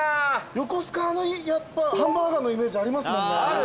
横須賀ハンバーガーのイメージありますもんね。